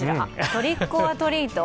トリック・オア・トリート？